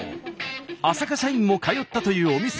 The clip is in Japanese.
浅香社員も通ったというお店。